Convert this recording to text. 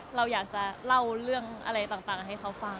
เราอยากจะเล่าเรื่องอะไรต่างให้เขาฟัง